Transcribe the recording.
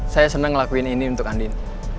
saya senang ngelakuin ini untuk andin